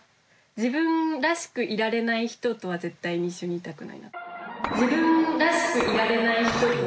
自分らしくいられない人とは絶対に一緒にいたくない。